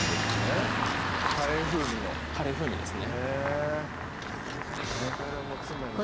はいカレー風味のカレー風味ですね